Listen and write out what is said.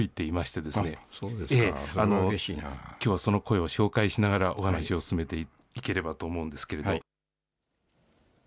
それはうれしいきょうはその声を紹介しながら、お話を進めていければと思うんですけれど。